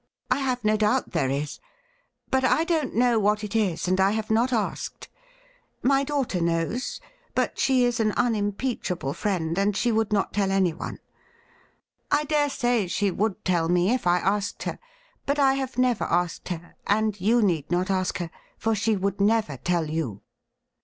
I have no doubt there is ; but I don't know what it is, and I have not asked. My MR. MARMADUKE COFFEST 69 daughter knows, but she is an unimpeachable friend, and she would not tell anyone. I dare say she would tell me if I asked her ; but I have never asked her, and you need not ask her, for she would never tell you.'